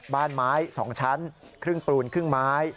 บ้านไม้๒ชั้นครึ่งปูนครึ่งไม้